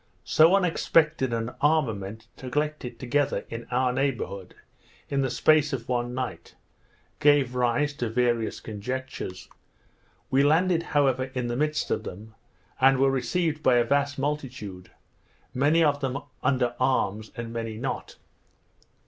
So unexpected an armament collected together in our neighbourhood, in the space of one night, gave rise to various conjectures. We landed, however, in the midst of them, and were received by a vast multitude, many of them under arms, and many not.